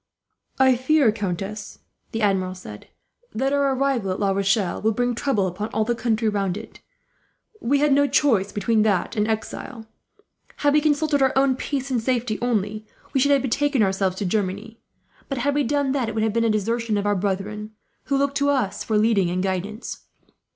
"I fear, countess," the Admiral said, "that our arrival at La Rochelle will bring trouble upon all the country round it. We had no choice between that and exile. Had we consulted our own peace and safety only, we should have betaken ourselves to Germany; but had we done that, it would have been a desertion of our brethren, who look to us for leading and guidance.